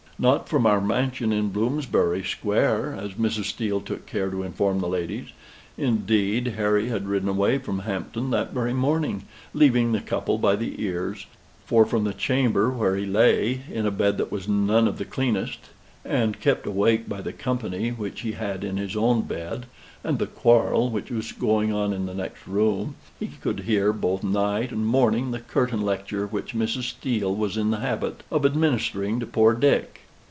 "Not from our mansion in Bloomsbury Square," as Mrs. Steele took care to inform the ladies. Indeed Harry had ridden away from Hampton that very morning, leaving the couple by the ears; for from the chamber where he lay, in a bed that was none of the cleanest, and kept awake by the company which he had in his own bed, and the quarrel which was going on in the next room, he could hear both night and morning the curtain lecture which Mrs. Steele was in the habit of administering to poor Dick.